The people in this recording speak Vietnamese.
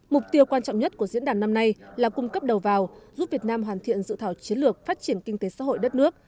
mục tiêu quan trọng nhất của diễn đàn năm nay là cung cấp đầu vào giúp việt nam hoàn thiện dự thảo chiến lược phát triển kinh tế xã hội đất nước